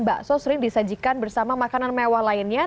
bakso sering disajikan bersama makanan mewah lainnya